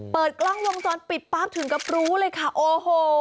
เปิดกล้องวงจรปิดปั๊บถึงกับรู้เลยค่ะโอ้โห